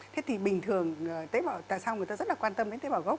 thế thì bình thường tại sao người ta rất quan tâm đến tế bào gốc